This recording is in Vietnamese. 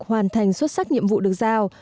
hoàn thành xuất sắc nhiệm vụ được giao